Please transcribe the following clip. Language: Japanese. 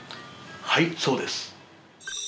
はいそうです。